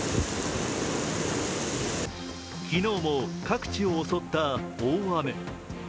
昨日も各地を襲った大雨。